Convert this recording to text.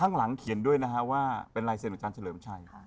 ข้างหลังเขียนด้วยนะฮะว่าเป็นลายเซ็นอาจารย์เฉลิมชัย